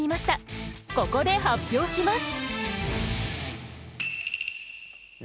ここで発表します。